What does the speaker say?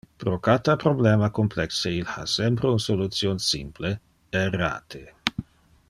Pro cata problema complexe il ha sempre un solution simple... errate!